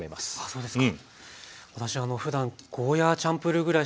そうですか。